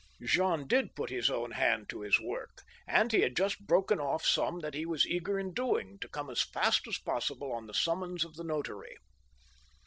Jean did put his own hand to his work, and he had just broken off some that he was eager in doing, to come as fast as possible on the summons of the notary.